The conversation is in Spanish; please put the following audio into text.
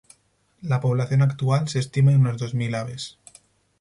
La población actual se estima en unas dos mil aves.